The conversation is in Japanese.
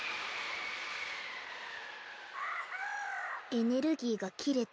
エネルギーが切れとる。